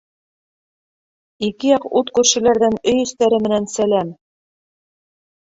Ике яҡ ут күршеләрҙән өй эстәре менән сәләм.